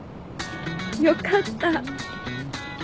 よかった。